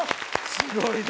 すごいな。